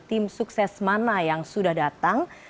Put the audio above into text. tim sukses mana yang sudah datang